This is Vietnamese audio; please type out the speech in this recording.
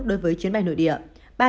đối với chuyến bay nội địa